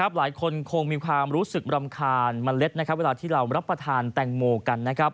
หลายคนคงมีความรู้สึกรำคาญเมล็ดเวลาที่เรารับประทานแตงโมกัน